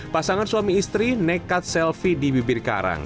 pasangan suami istri nekat selfie di bibir karang